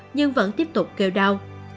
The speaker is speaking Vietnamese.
nhưng vẫn tiếp tục kêu đau